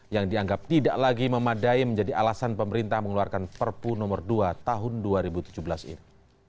yang dianggap tidak lagi memadai menjadi alasan pemerintah mengeluarkan perpu nomor dua tahun dua ribu tujuh belas ini